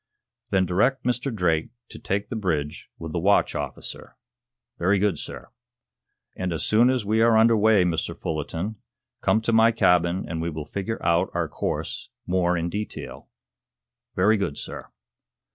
"Then direct Mr. Drake to take the bridge with the watch officer." "Very good, sir." "And, as soon as we are under way, Mr. Fullerton, come to my cabin and we will figure out our course more in detail." "Very good, sir."